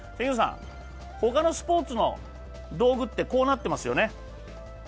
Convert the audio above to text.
他のスポーツの道具ってこうなってますよね。